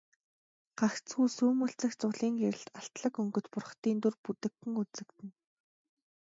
Гагцхүү сүүмэлзэх зулын гэрэлд алтлаг өнгөт бурхдын дүр бүдэгхэн үзэгдэнэ.